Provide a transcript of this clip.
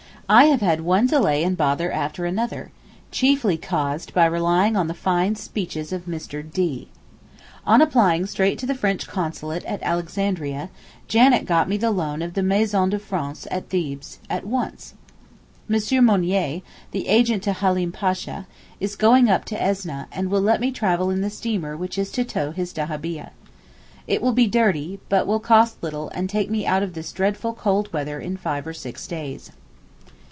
I have had one delay and bother after another, chiefly caused by relying on the fine speeches of Mr. D. On applying straight to the French Consulate at Alexandria, Janet got me the loan of the Maison de France at Thebes at once. M. Mounier, the agent to Halim Pasha, is going up to Esneh, and will let me travel in the steamer which is to tow his dahabieh. It will be dirty, but will cost little and take me out of this dreadful cold weather in five or six days.